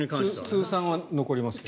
通算は残りますけど。